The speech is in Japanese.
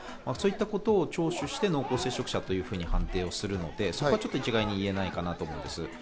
そういったことを聴取して、濃厚接触者という判定をするので、そこは一概に言えないかなと思います。